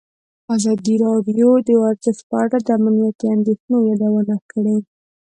ازادي راډیو د ورزش په اړه د امنیتي اندېښنو یادونه کړې.